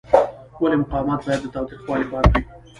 ولې مقاومت باید له تاوتریخوالي پاک وي؟